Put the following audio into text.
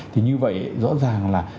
thì như vậy rõ ràng là